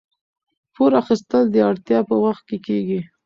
پور اخیستل د اړتیا په وخت کې کیږي.